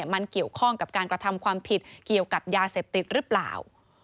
มันเกี่ยวข้องกับการกระทำความผิดเกี่ยวกับยาเสพติดหรือเปล่า